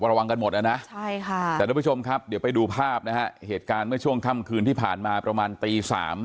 ระวังกันหมดนะนะใช่ค่ะแต่ทุกผู้ชมครับเดี๋ยวไปดูภาพนะฮะเหตุการณ์เมื่อช่วงค่ำคืนที่ผ่านมาประมาณตี๓